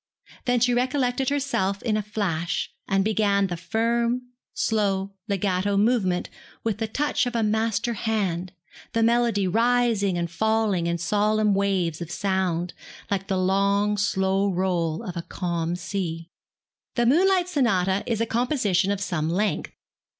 Then she recollected herself in a flash, and began the firm, slow, legato movement with the touch of a master hand, the melody rising and falling in solemn waves of sound, like the long, slow roll of a calm sea. The 'Moonlight Sonata' is a composition of some length.